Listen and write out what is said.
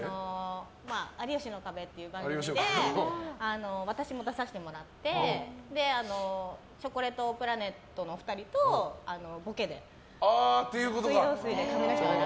「有吉の壁」という番組で私も出させてもらってチョコレートプラネットの２人とボケで、水道水で髪の毛を洗う。